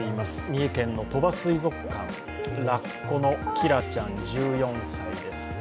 三重県の鳥羽水族館、ラッコのキラちゃん１４歳です。